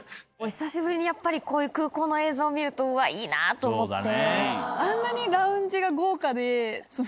久しぶりにやっぱりこういう空港の映像見るとうわっいいなぁと思って。